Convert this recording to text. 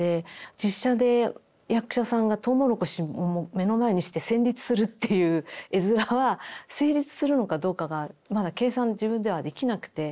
実写で役者さんがトウモロコシ目の前にして戦慄するっていう絵面は成立するのかどうかがまだ計算自分ではできなくて。